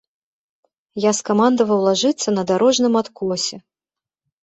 Я скамандаваў лажыцца на дарожным адкосе.